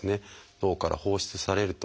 脳から放出されると。